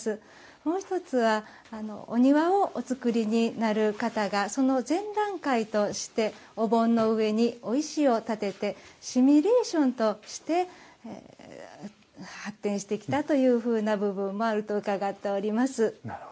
もう一つはお庭をお造りになる方がその前段階としてお盆の上にお石を立ててシミュレーションとして発展してきたという部分があると伺っております。